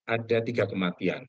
ada tiga kematian